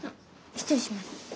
失礼します。